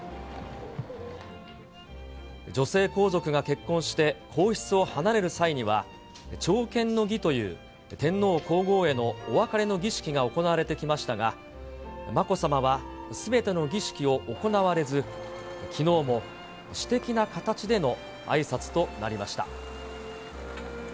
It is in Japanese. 女性皇族が結婚して、皇室を離れる際には、朝見の儀という天皇皇后へのお別れの儀式が行われてきましたが、まこさまはすべての儀式を行われず、きのうも私的な形でのあいさつとなりました。